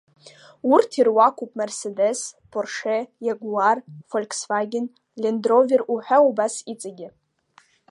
Урҭ ируакуп Мерседес, Порше, Иагуар, Фольксваген, Лендровер уҳәа убас иҵегьы.